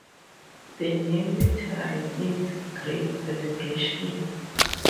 The name literally means "Great Celebration".